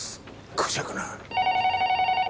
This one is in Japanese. こしゃくな。